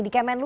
di kemen lu